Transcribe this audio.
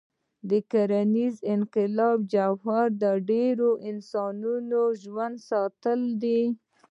د کرنيز انقلاب جوهر د ډېرو انسانانو ژوندي ساتل دي.